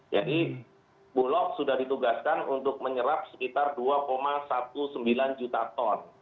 jadi bulog sudah ditugaskan untuk menyerap sekitar dua sembilan belas juta ton